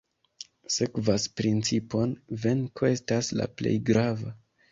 Sekvas principon "Venko estas la plej grava".